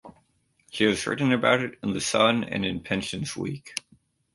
She has written about it in "The Sun" and in "Pensions Week".